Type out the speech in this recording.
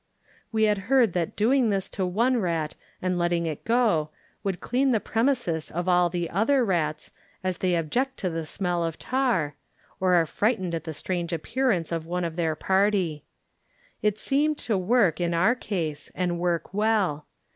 We had heard that doing this to one rat and letting it go would clean the premises of all other rats, as they object to the smell of tar, or are frightened at the strange appear ance of one of their party. It seemed to work in our case, and work well.